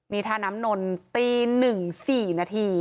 มีท่าน้ำหนนตี๑สี่นาที